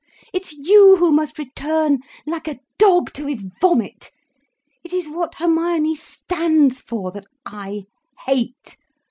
It's you who must return, like a dog to his vomit. It is what Hermione stands for that I hate.